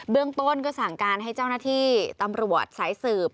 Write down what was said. เรื่องต้นก็สั่งการให้เจ้าหน้าที่ตำรวจสายสืบ